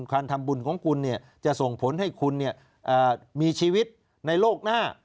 การทำบุญของคุณจะส่งผลให้คุณมีชีวิตในโลกหน้า